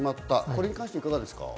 これに関していかがですか？